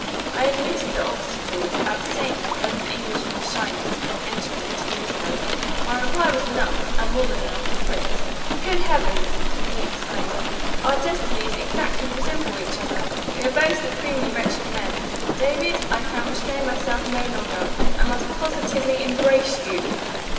I admitted the obstacles; abstaining, with an Englishman's shyness, from entering into details. My reply was enough, and more than enough, for Fritz. "Good Heavens!" he exclaimed; "our destinies exactly resemble each other! We are both supremely wretched men. David, I can restrain myself no longer; I must positively embrace you!"